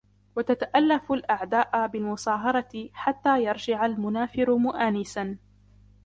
وَتَتَأَلَّفُ الْأَعْدَاءَ بِالْمُصَاهَرَةِ حَتَّى يَرْجِعَ الْمُنَافِرُ مُؤَانِسًا